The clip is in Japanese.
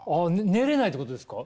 寝れないってことですか？